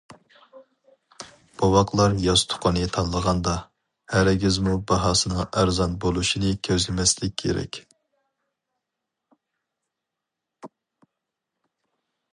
بوۋاقلار ياستۇقىنى تاللىغاندا، ھەرگىزمۇ باھاسىنىڭ ئەرزان بولۇشىنى كۆزلىمەسلىك كېرەك.